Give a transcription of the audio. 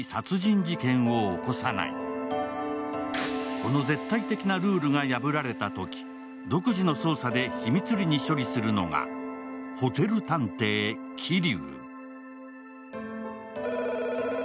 この絶対的なルールが破られたとき独自の捜査で秘密裏に処理するのが、ホテル探偵・桐生。